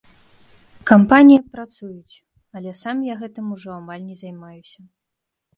Кампаніі працуюць, але сам я гэтым ужо амаль не займаюся.